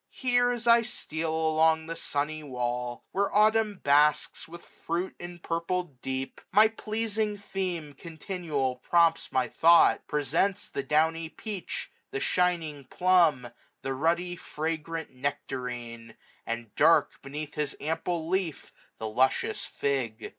Here, as I steal along the sunny wall. Where autumn basks, with fruit empurpled deep. My pleasing theme continual prompts my thought : Presents the downy peach ; the shining plum ; 6j^ The ruddy, fragrant nectarine ; and dark. Beneath his ample leaf, the luscious fig.